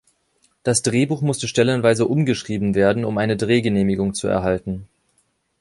Das Drehbuch musste stellenweise umgeschrieben werden, um eine Drehgenehmigung zu erhalten.